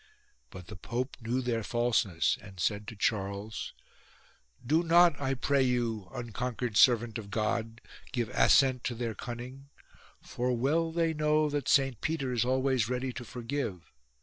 But the Pope knew their falseness and said to Charles :" Do not, I pray you, unconquered servant of God, give assent to their cflnning ; for well they know that Saint Peter is always ready to forgive.